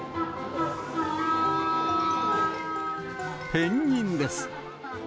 ペンギンです。